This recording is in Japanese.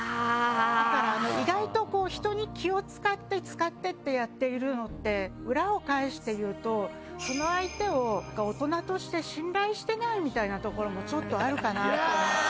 意外と、人に気を使って使ってってやっているのって裏を返して言うとその相手を大人として信頼していないみたいなところもちょっとあるかなと思って。